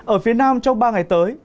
ở phía nam trong ba ngày tới